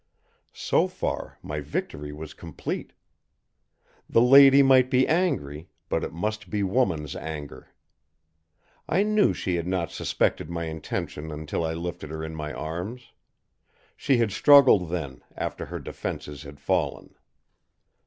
So far my victory was complete. The lady might be angry, but it must be woman's anger. I knew she had not suspected my intention until I lifted her in my arms. She had struggled then, after her defenses had fallen.